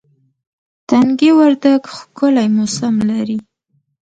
تنگي وردک ښکلی موسم لري